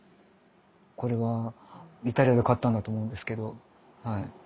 これはイタリアで買ったんだと思うんですけどはい。